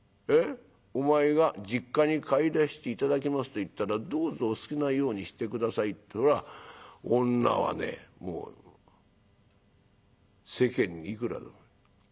お前が実家に帰らして頂きますって言ったらどうぞお好きなようにして下さいって女はねもう世間にいくらでも。